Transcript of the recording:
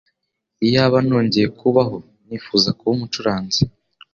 Iyaba nongeye kubaho, nifuza kuba umucuranzi.